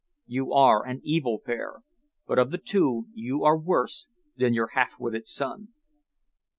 You are an evil pair, but of the two you are worse than your half witted son."